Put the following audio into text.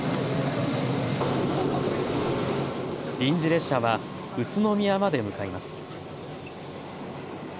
臨時列車は宇都宮まで向かいます。